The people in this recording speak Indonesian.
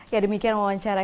ya demikian wawancara ini